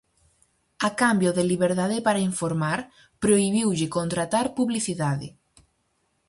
A cambio de liberdade para informar, prohibiulle contratar publicidade.